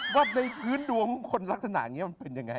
ว่าในพื้นดวงของคนลักษณะนี้มันเป็นยังไง